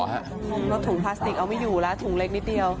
ถุงรถถุงพลาสติกเอาไม่อยู่แล้วถุงเล็กนิดเดียว